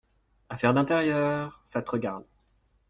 Affaire d’intérieur… ça te regarde.